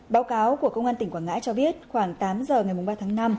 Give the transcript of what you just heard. báo cáo của công an tỉnh quảng ngãi cho biết khoảng tám giờ ngày ba tháng năm